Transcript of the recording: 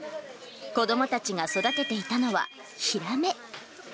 子どもたちが育てていたのはヒラメ。